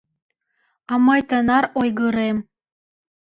А мый тынар ойгырем...